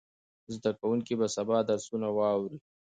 زده کوونکي به سبا درسونه واوري.